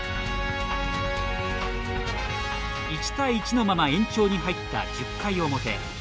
１対１のまま延長に入った１０回表。